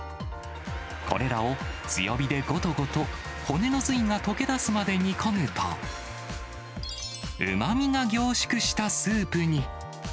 これらを強火でことこと骨の髄が溶け出すまで煮込むと、うまみが凝縮したスープに。